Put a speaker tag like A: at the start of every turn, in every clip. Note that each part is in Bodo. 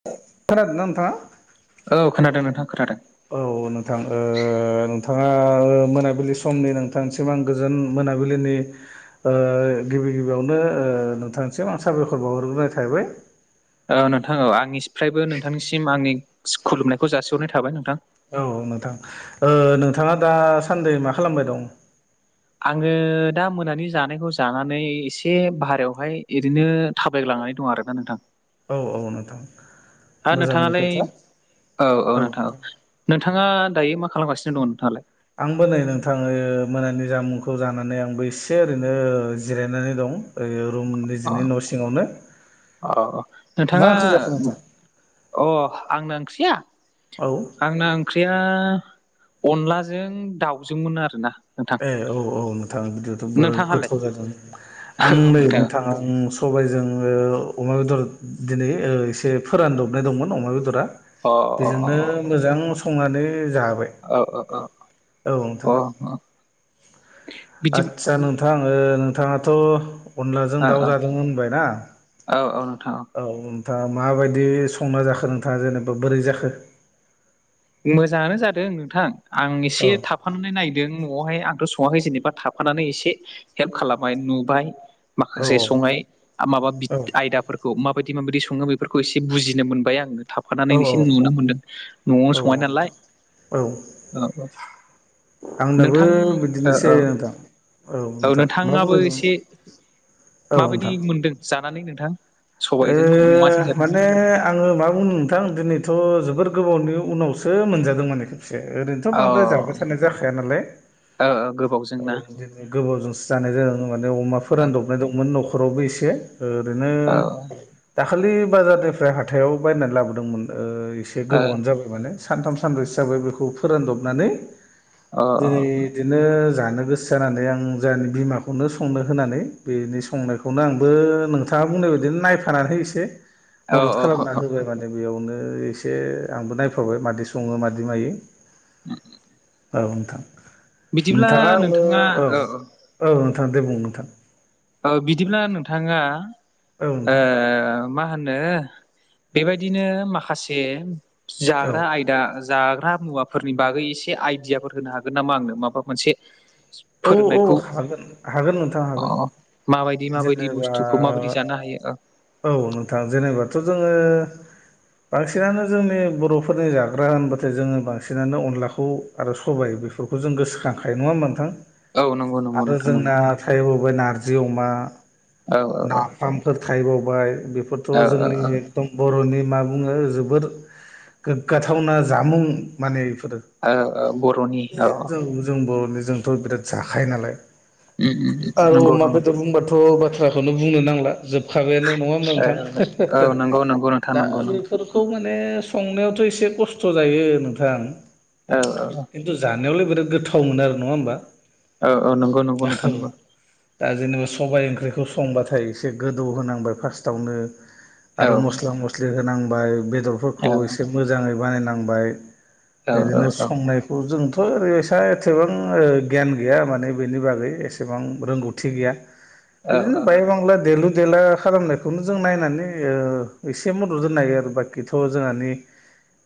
A: [inaudible]
B: खोनादों ना नोंथाङा?
A: औ खोनादों नोंथां खोनादों।
B: औ नोंथां ओ नोंथाङा मोनाबिलि समनि नोंथां [unintelligible] गोजोन मोनाबिलिनि ओ गिबि गिबियावनो ओ नोंथांनिसिम आं साबायखर बावहरग्रोनाय थाबाय
A: औ नोंथां औ आंनिफ्रायबो नोंथांनिसिम आंनि खुलुमनायखौ जासिहरनाय थाबाय नोंथां
B: औ नोंथां ओ नोंथाङा दासान्दै मा खालामबाय दं?
A: आङो दा मोनानि जानायखौ जानानै एसे बारायावहाय इरैनो थाबायग्लांनानै दङ आरोना नोंथां।
B: औ औ नोंथां
A: हा
B: मोजांनि
A: नोंथाङालाय
B: खोथा
A: औ औ नोंथां औ नोंथाङा दायो मा खालामगासिनो दङ नोंथाङालाय?
B: आंबो नै नोंथां ओ मोनानि जामुंखौ जानानै आंबो एसे ओरैनो जिरायनानै दं। ओ रुम
A: अ
B: निजिनि न' सिङावनो
A: अ अ
B: मा
A: नोंथाङा
B: ओंख्रि जाखो नोंथां?
A: अ आंना ओंख्रिया
B: औ
A: आंना ओंख्रिया अनलाजों दाउजोंमोन आरोना नोंथां
B: ए औ औ नोंथां बिदिबाथ' बिराद
A: नोंथाङालाय
B: गोथाव जादों आं नै नोंथां ओम सबायजों ओ अमा बेदर दिनै ओ एसे फोरानदबनाय दंमोन अमा बेदरा
A: अ अ अ
B: बेजोंनो
A: अ
B: मोजां संनानै जाबाय।
A: औ औ औ अ बिदि
B: आदसा नोंथां ओ नोंथाङाथ' अनलाजों
A: औ
B: दाउ
A: औ
B: जादों होनबायना
A: औ औ नोंथां
B: औ नोंथाङा माबायदि संना जाखो नोंथाङा जेनेबा बोरै जाखो?
A: मोजाङानो जादों नोंथां आं
B: औ
A: एसे थाब थाफानानै नायदों न'आवहाय आंथ' सङाखै जेनेबा थाफानानै एसे हेल्प खालामबाय नुबाय
B: औ
A: माखासे संनाय माबा
B: औ
A: आयदाफोरखौ माबायदि माबायदि सङो बेफोरखौ एसे बुजिनो मोनबाय आङो थाब होफानानै
B: औ
A: एसे नुनो मोनदों न'आव
B: औ
A: संनाय नालाय
B: नोंथां औ
A: औ औ
B: आंनाबो
A: नोंथां औ
B: बिदिनोसै
A: औ
B: नोंथां
A: औ
B: नोंथां मा
A: नोंथाङाबो
B: बुंबाय दं
A: एसे
B: औ
A: माबायदि मोनदों जानानै नोंथां? सबायजों अमाजों
B: ए
A: जादों
B: माने आङो मा बुंनो नोंथां दिनैथ' जोबोर गोबावनि उनावसो मोनजादों माने ओरैनोथ' बांद्राय जाबाय थानाय जाखाया नालाय
A: गोबाव जायो
B: औ दिनै गोबावजोंसो जानाय जादों माने अमा
A: औ
B: फोरानदों फाबनाय दंमोन न'खरावबो एसे ओरैनो दाखालि बाजारनिफ्राय हाथायाव बायनानै लाबोदोंमोन एसे गोबावनो जाबाय माने सानथाम सान्रै हिसाबै बेखौ फोरानदबनानै दिेरै बिदिनो जानो गोसो जानानै आं जोंनि बिमाखौनो संनो होनानै बिनि संनायखौ खौनो आंबो नोंथाङा बुंनाय बायदि नायफानानै एसे
A: औ
B: मदद
A: औ
B: खालामना होबाय माने द बेयावनो एसे आंबो नायफाबाय मादि सङो मादि मायो
A: [inaudible]
B: औ नोंथां नोंथाङा आंनो औ औ नोंथां दे बुं नोंथां
A: औ बिदिब्ला नोंथाङा
B: औ
A: ओ
B: नोंथां
A: मा होनो बेबायदिनो माखासे
B: औ
A: जाग्रा आयदा जाग्रा मुवा फोरनि बागै एसे आइडियाफोर होनो हागोन नामा आंनो माबा मोनसे
B: औ औ
A: फोरोंनायखौ
B: हागोन हागोन नोंथां
A: अ
B: हागोन
A: माबायदि माबायदि
B: जेनेबा
A: बुस्थुखौ माबायदि जानो हायो ओं
B: औ नोंथां जेनेबाथ' जोङो बांसिनानो जोंनि बर'फोरनि जाग्रा होनबाथाय जोङो बांसिनानो अनलाखौ आरो सबाइ बेफोरखौ जों गोसोखांखायो नङा नोंथां।
A: औ नंगौ नंगौ
B: आरो
A: नोंथां नंगौ
B: जोंना थायोबोबाय नारजि अमा
A: औ
B: नाफाम फोर थायबावबाय बेफोरथ'
A: औ औ
B: जोंनि दम बर'नि मा बुङो जोबोर गोग्गाथावना जामुं माने बेफोरो।
A: औ बर'नि औ
B: बे जों जों बर'नि जोंथ' बिराद जाखायो नालाय।
A: उम उम
B: आरो
A: नंगौ
B: अमा
A: नंगौ
B: बेदर बुंबाथ' बाथ्राखौनो बुंनो नांला जोब हुखाबायानो नङा होनोम
A: औ
B: नोंथां
A: औ नंगौ नंगौ नोंथां
B: दा
A: नंगौ नंगौ
B: बेफोर खौ माने संनायावथ' एसे खस्थ' जायो नोंथां।
A: औ औ औ।
B: खिन्थु जानायलाय बिराद गोथाव मोनो आरो नङा होनबा।
A: औ औ नंगौ नंगौ नोंथां नांगौ।
B: दा जेनेबा सबायाइ ओंख्रिखौ संबाथाय एसे गोदौ होनांबाय फार्स्टआवनो।
A: औ
B: आरो मस्ला मस्लि होनांबाय बेदरफोरखौ
A: औ
B: एसे मोजाङै बानायनांबाय।
A: औ औ
B: बिदिनो संनायखौ जोंथ' ओरैबायसा एसेबां गियान गैया माने बेनि बागै एसेबां रोंगौथि गैया। बिदिनो बाय बांला देलु देला खालामनायखौनो जों नायनानै ओ एसे मदद होन नागायो आरो बाखिथ' जोंहानि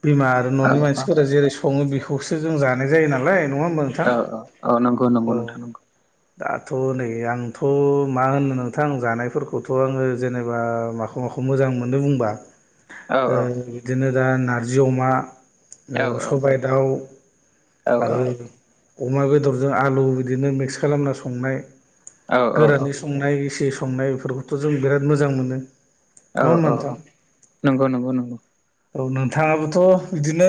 B: बिमा आरो न'नि
A: औ
B: मानसिफोरा जेरै सङो बेखौसो जों जानाय जायो नालाय नङा होनबा
A: औ औ औ नं
B: औ। दाथ' नै आंथ' मा होनो नोंथां जानायफोरखौथ' आङो जेनेबा माखौ खमाखौ मोजां मोननो बुंबा
A: औ
B: ओ बिदिनो दा नारजि अमा
A: औ
B: सबायाइ दाउ
A: औ औ
B: आरो अमा बेदरजों आलु बिदिनो मिक्स खालामना संनाय
A: औ
B: गोरानानै संनाय इसि संनाय बेफोरखौथ' जों बिराद मोजां मोनो।
A: औ
B: होमबा
A: औ औ
B: नोंथां
A: नंगौ नंगौ नंगौ।
B: औ नोंथाङाबोथ' बिदिनो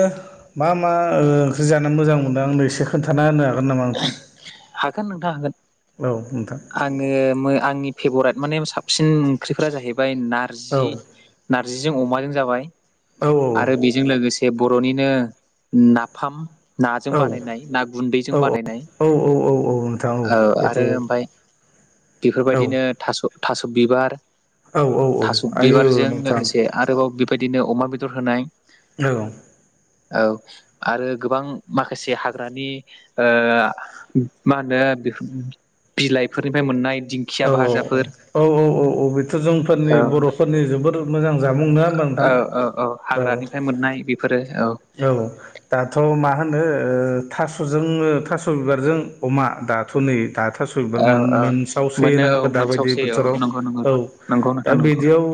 B: मा मा ओंख्रि जानो मोजां मोनदों आंनो एसे खोनथा होनो हागोन नामा नोंथां?
A: हागोन नोंथां हागोन।
B: औ नोंथां।
A: आङो आंनि फेभरेट माने साबसिन ओंख्रिफोरा जाहैबाय
B: औ
A: नारजि नारजिजों अमाजों जाबाय
B: औ
A: आरो बेजों लोगोसे बर'निनो नाफाम नाजों
B: औ औ
A: बानायनाय ना
B: औ
A: गुन्दैजों बानायनाय
B: औ औ-औ-औ।
A: औ आरो ओमफ्राय
B: औ
A: बेफोरबायदिनो थास' थास' बिबार
B: औ औ
A: थास'
B: आयौ
A: बिबारजों
B: नोंथां
A: लोगोसे। आरोबाव बेबायदिनो अमा बेदर होनाय
B: औ।
A: औ आरो गोबां माखासे हाग्रानि ओ आ मा होनो बिफोर बिलाइफोरनिफ्राय मोननाय दिं
B: औ औ औ औ औ औ औ बेथ'
A: औ
B: जोंफोरनि बर'फोरनि जोबोर मोजां जामुं नङा होम्बा नोंथां
A: औ औ औ हाग्रानिफ्राय मोननाय बेफोरो
B: औ औ। दाथ' मा होनो थास'जों थास' बिबारजों अमा दाथ' नै दाथ' थास' बिबार
A: औ औ
B: मोनसावसै
A: मोनो औ
B: नङा दाबायदि
A: मोनसावसै औ
B: बोथोराव
A: नंगौ नंगौ
B: औ
A: नंगौ
B: दा
A: नोंथां नंगौ
B: बिदियाव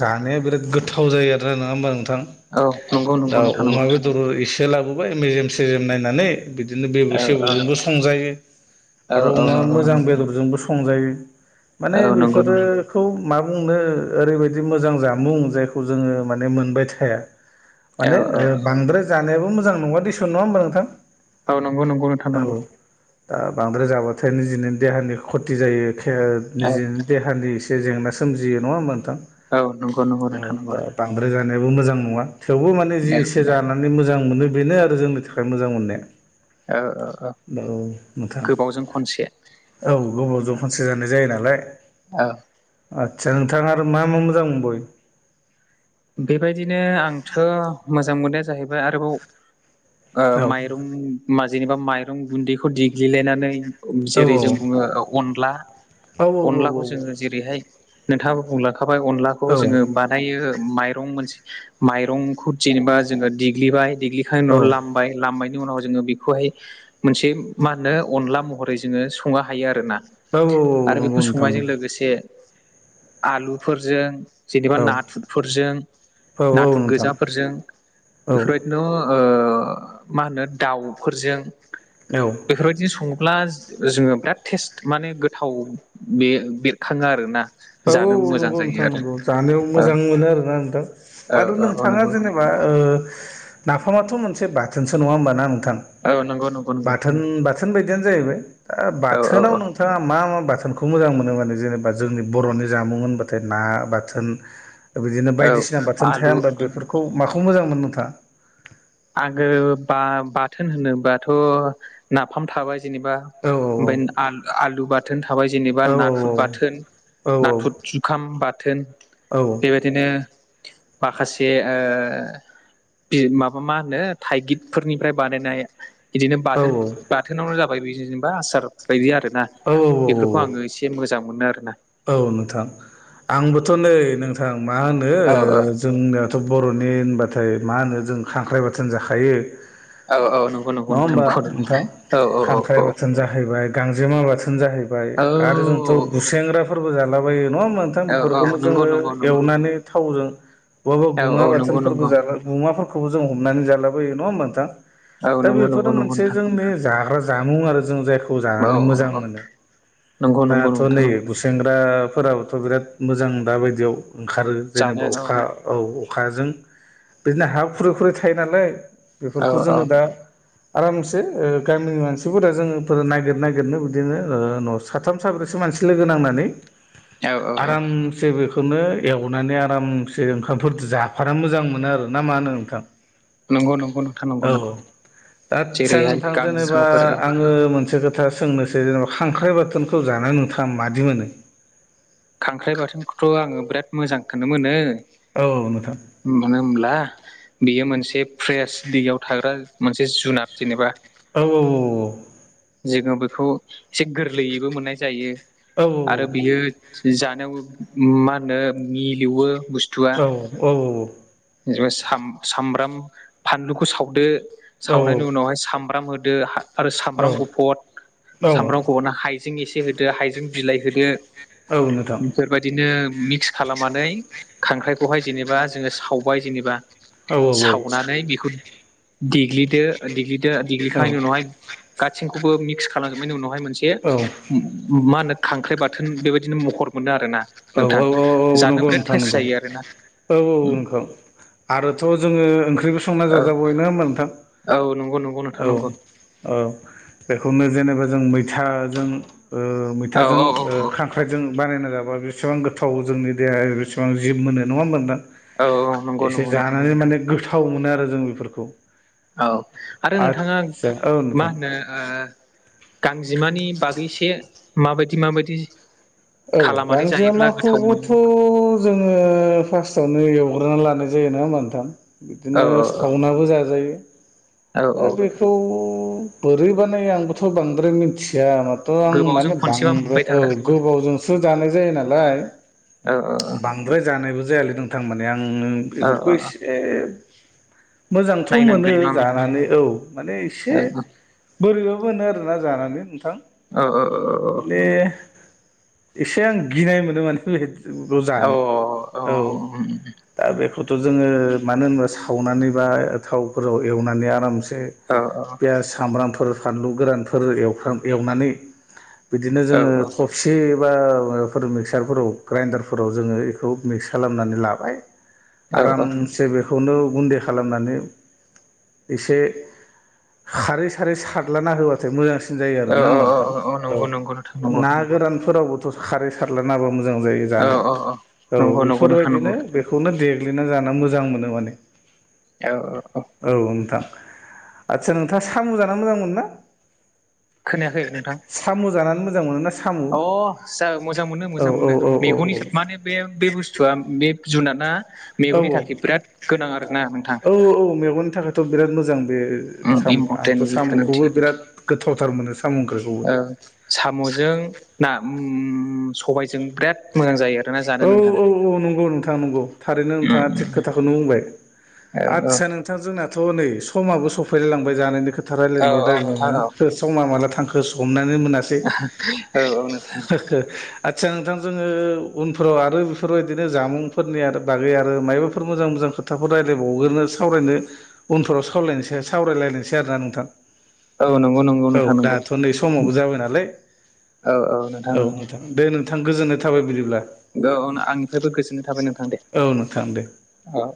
B: जानाया बिराद गोथाव जायोआरोना नङा होमबा नोंथां
A: औ नंगौ
B: दा
A: नंगौ नोंथां नंगौ
B: अमा बेद दर इसे लाबोबाय मेजेम सेजेम नायनानै बिदिनो बेबु
A: औ औ
B: सेबुजोंबो संजायो
A: औ
B: आरो
A: औ
B: अमा
A: नंगौ
B: मोजां
A: नंगौ
B: बेदरजोंबो सं जायो माने
A: औ नंगौ
B: बेफोरो
A: नंगौ
B: खौ मा बुंनो ओरैबायदि मोजां जामुं जायखौ जोङो माने मोनबाय थाया।
A: औ
B: माने ओ
A: औ
B: बांद्राय जानायाबो मोजां नङा दिसन नङा होमबा नोंथां?
A: औ नंगौ नंगौ नोंथां नांगौ।
B: ओ बांद्राय जाबाथाय निजिनो देहानि खथि जायो खेर
A: औ
B: निजिनो देहानि एसे जेंना सोमजियो नङा होमबा नोंथां?
A: औ नंगौ नंगौ
B: औ
A: नोंथां नंगौ
B: दा बांद्राय जानायाबो मोजां नङा थेवबो माने जि
A: औ
B: एसे जा नानै मोजां मोनो बेनो आरो जोंनि थाखाय मोजां मोननाया।
A: औ औ औ
B: दाव नोंथां
A: गोबावजों खनसे
B: औ गोबावजों फानसे जानायय जायो नालाय।
A: औ
B: आदसा नोंथाङा आरो मा मा मोजां मोनबो?
A: बेबायदिनो आंथ' मोजां मोननाया जाहैबाय आरोबाव ओ
B: औ
A: माइरं मा जेनेबा माइरं गुन्दैखौ देग्लिलायनानै
B: औ
A: जेरै जों बुङो अनला
B: औ
A: अनलाखौ जोङो जेरैहाय नोंथाङाबो बुंलाखाबाय अनलाखौ जोङो बानायो। माइरं मोनसे माइरंखौ जेनेबा जोङो देग्लिबाय देग्लिखांनायनि
B: औ
A: उनाव
B: औ
A: लामबाय लामनायनि उनाव जोङो बेखौहाय मोनसे मा होनो अनला महरै जोङो संनो हायो आरो ना?
B: औ औ
A: आरो
B: नंगौ
A: बेखौ
B: नोंथां
A: संनायजों
B: नंगौ
A: लोगोसे आलुफोरजों जेनेबा
B: औ
A: नाथुर फोरजों
B: औ औ
A: नाथुर
B: नोंथां
A: गोजाफोरजों
B: औ
A: बेफोरबायदि [unintelligible] ओ मा होनो दाउफोरजों
B: औ
A: बेफोरबायदिनो सङोब्ला जोङो बिराद टेस्ट माने गोथाव बे बेरखाङो आरो ना।
B: औ
A: जानो
B: औ
A: मोजां
B: नंगौ
A: जायो
B: नोंथां नंगौ जानायाव
A: औ
B: मोजां मोनो आरो ना नोंथां
A: औ
B: आरो
A: औ औ
B: नोंथाङा
A: नंगौ
B: जेने बा ओ नाफामाथ' मोनसे बाथोनसो नङा होमबा ना नोंथां?
A: औ नंगौ नंगौ नंगौ
B: बाथोन बाथोन बायदियानो जाहैबाय ओ
A: औ औ
B: बाथोनाव
A: औ
B: नोंथां बिथाङा मा मा बाथोनखौ मोजां मोनो माने जेनेबा जोंनि बर'नि जामुं होनबाथाय ना बाथोन ओ बिदिनो
A: औ
B: बायदिसिना बाथोन थाया
A: आलु
B: होनबा बेफोर खौ माखौ मोजां मोनो नोंथाङा?
A: आगो बा बाथोन होनोबाथ' नाफाम थाबाय जेनेबा
B: औ
A: ओमफ्रायल आल आलु बा थोन थाबाय जेनेबा,
B: औ
A: नाथुर बाथोन,
B: औ
A: नाथुर जुखाम बाथोन, बेबायदिनो माखासे ओ बि माब मा होनो थाइगिरफोरनिफ्राय बानायनाय बिदिनो बाथोन। बाथोनावनो जाबाय बि जेनेबा आसार बायदि आरो ना बेफोरखौ
B: औ औ
A: आङो एसे मोजां मोनो आरो ना
B: औ नोंथां आंबोथ' नै नोंथां मा होनो
A: औ औ
B: जोंनियाथ' बर'नि होनबाथाय मा होनो जों खांख्राइ बाथोन जाखायो
A: औ औ नंगौ नंगौ
B: नङा
A: नोंथां
B: हबा
A: नंगौ नंगौ
B: ओमथां
A: औ औ
B: खांख्राइ
A: औ
B: बाथोन जाहैबाय गांजेमा बाथोन जाहैबाय ाय
A: औ
B: आरो जोंथ' गुसेेंग्राफोरबो जालाबायो नङ मोनथाम बेफोरखौनो
A: नंगौ
B: जोङो
A: नंगौ
B: एवनानै थावजों बबहबा
A: औ
B: गुमा
A: नंगौ नंगौ औ
B: बाथोनफोरबो ज बमाफोरखौबो जों हमनानै जालाबोयो नङा होमबा नोंथां दा
A: नंगौ नंगौ
B: बेफोर मोनसे
A: नोंथां
B: जोंनि जाग्रा जामुं आरो जों जायखौ
A: औ
B: जानानै
A: औ
B: मोजां
A: औ
B: मोनो [inaudible]
A: नंगौ नंगौ नंथा नंगौ।
B: खुसेंग्राफोराबोथ' बिराद मोजां दाबायदियाव ओंखारो जेनेबा
A: जानो औ
B: अखा औ अखाजों बिदिनो हा खुरै खुरै थायो नालाय
A: औ
B: बेफोरखौ जोङो दा आरामसे ओ गामिनि मानसिफोरा जोङो नागिर नागिरनो बिदिनो ओ न' साथाम साब्रैसो मानसि लोगो नांनानै
A: औ औ औ
B: आराम जे बेखौनो एवनानै आरामसे ओंखामफोर जाफाना मोजां मोनो आरो ना मा होनो नोंथां? [inaudible]
A: नंगौ नंगौ नोंथां नंगौ
B: औ
A: नंगौ
B: आदसा
A: जेरैहाय
B: नोंथां जेनेबा
A: गांजेमाफोर
B: आङो मोनसे खोथा सोंनोसै जेनेबा खांख्राइ बाथोनखौ जानानैा नोंथाङा मादि मोनो
A: खांख्राइ बाथोनखौथ' आङो बिराद मोजांखौनो मोनो
B: औ औ नोंथां
A: मानो होमब्ला बेयो मोनसे फ्रेश दिगायाव थाग्रा मोनसे जुनाद जेनेबा
B: औ औ
A: जोङो बेखौ एसे गोरलैयैबो मोननाय जायो
B: औ
A: आरो बियो जानायाव मा होनो मिलौवो बुस्थु
B: औ औ औ औ
A: जबा सामब्राम फानलुखौ सावदो
B: औ
A: सावनायनि उनावहाय सामब्राम होदो आरो
B: औ
A: सामब्राम गुफुर
B: औ
A: सामब्राम गुफुर ह हाइजें एसे होदो हाइजें बिलाइ होदो
B: औनो
A: बेफोरबायदिनो मिक्स खालामनानै खांख्राइखौहाय जेनेबा जोङो सावबाय जेनेबा
B: औ
A: सावनानै बेखौ देग्लिदो देग्लिदो देग्लिखांनायनि उनावहाय गासैखौबो मिक्स खालामजोबनायनि उनावहाय मोनसे
B: औ
A: मा होनो खांख्राइ बाथोन बेबायाददि बिदिनो महर मोनो आरो ना
B: औ
A: नोंथां
B: औ
A: जानो
B: नंगौ
A: बिराद
B: नोंथां
A: टेस्ट
B: नंगौ
A: जायो आर ना
B: औ औ ओंख आरोथ' जोङो ओंख्रिबो संना
A: औ
B: जाजा बयनो मोनथां
A: औ नंगौ नंगौ नोंथां नंगौ
B: बेखौनो जेनेबा जों मैथाजों
A: औ
B: मैथाजों
A: औ
B: खां
A: औ
B: आखाइजों बानायना जाबा बेसेबां गोथाव जोंनि देहाया बेसेबां जिब मोनो नङा मोनदां
A: औ नंगौ
B: एसे
A: नंगौ नोंथां
B: जानानै माने गोथाव मोनो आरो जों बेफोरखौ
A: औ आरो नोंथाङा
B: आदसा औ
A: मा
B: नोंथां
A: होनो गांजेमानि बागैसे माबायदि माबायदि
B: औ
A: खालामनानै
B: गांज
A: जायोब्ला गोथाव
B: माखौबोथ'
A: मोनो
B: जोङो फार्स्टावनो एवग्रोना लानाय जायो नङा होमबा नोंथां
A: औ
B: बिदिनो सावनाबो जाजायो
A: औ औ
B: दा बेखौ थ' बोरैबानो आंबोथ' बांद्राय मिथिया म थ' आं
A: गोबावजों
B: माने
A: खनसेबा
B: बांद्राय
A: मोनबाय
B: औ
A: थाग्रा
B: गोबावजों जानाय जायो नालाय
A: औ
B: बांद्राय जानायबो जायालै नोंथारमाने आं
A: औ औ
B: बेफोरखौसे मोजांथ' मोनो
A: नायनांगोन नामा
B: जानानै औ माने एसे
A: औ
B: बोरैबाबो मोनो आरोना जानानै नोंथां
A: औ औ औ
B: [unintelligible] एसे आं गिनाय मोनो माने बेहाय
A: अ अ।
B: दा बेखौथ' जोङो मानो होनोबा सावनानैबा थावफोराव एवनानै आरामसे
A: औ औ।
B: पियास सामब्रामफोर फानलु गोरानफोर एवफ्राम एवनानै बिदिनो जोङो [unintelligible] बा माबाफोर मिक्सारफोराव ग्राइडारफोराव जोङो बेखौ मिक्स खालामनानै लाबाय। आरामसे बेखौनो गुन्दै खालामनानै एसे खारै सारै सारलाना होआै ना मोजांसिन जायो आरो ना होमबा नोंथां
A: औ औ नंगौ नोंथां
B: औ
A: नंगौ
B: ना गोरानफोरावबोथ' खारै सारल नाबा मोजां जायो
A: औ
B: जानो
A: औ औ
B: औ
A: नंगौ नंगौ नोंथां नंगौ
B: बेफोरबायदिनो बे बेखौनो देग्लिना जानो मोजां मोनो माने
A: औ औ औ
B: औ नोंथां आदसा नोंथाङा साम' जाना मोजांमोन ना
A: खोनायाखै नोंथां
B: साम' जानानै मोजां मोनोना
A: अ जा मोजां मोनो मोजां मोनो
B: औ औ औ
A: मेगननि माने बे बे बुस्थुआ बे जुनादा
B: औ
A: मेगननि थाखाय बिराद गोनां आरोना नोंथां।
B: औ औ औ मेगननि थाखाय थ' बिराद मोजां बे साम' आंथ'
A: इम्परटेन्ट इयो
B: साम'खौबो
A: गोनांथि
B: बिराद गोथावथार मोनो साम' ओंख्रि।
A: साम'जों ना सबायजों बिराद मोजां जायो आरो।
B: औ औ औ नंगौ नोंथां नंगौ थारैनो
A: उम
B: नोंथाङा थिग
A: उम
B: खोथाखौनो बुंबाय।
A: औ औ।
B: बिथां जोंनाथ' नै समाबो सफैलायांबाय जानायनि खोथा
A: औ
B: रायलायनायवनो
A: औ नोंथां औ
B: रायलायनायावनो। समा माला थांखो हमनानै मोनासै।
A: औ औ नों
B: आदसा नोंथां जोङो उनफोराव आरो बेफोरबायदिनो जामुंफोरनि आरो बागै आरो मायबाफोर मोजां मोजां खोथाफोर रायज्लायबावग्रोनोसै। सावरायनो उनफोराव सावलायनोसै सावरायलायनोसै आरोना नोंथां।
A: औ नंगौ नंगौ
B: औ
A: नोंथां नंगौ
B: दाथ' नै समावबो जाबाय नालाय औ नोंथां। दे नोंथां गोजोननाय थाबाय बिदिब्ला।
A: औ आंनिफ्रायबो गोजोननाय थाबाय नोंथां दे
B: औ नोंथां दे
A: औ।